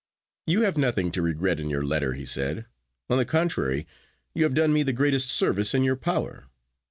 'You have nothing to regret in your letter,' he said. 'On the contrary, you have done me the greatest service in your power.